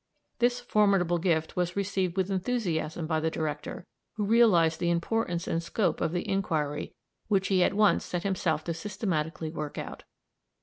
This formidable gift was received with enthusiasm by the director, who realised the importance and scope of the inquiry, which he at once set himself to systematically work out.